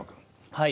はい。